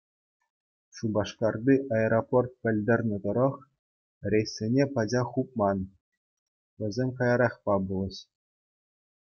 Шупашкарти аэропорт пӗлтернӗ тӑрах, рейссене пачах хупман, вӗсем каярахпа пулӗҫ.